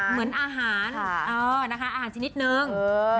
เหมือนอาหารอาหารซินิดหนึ่ง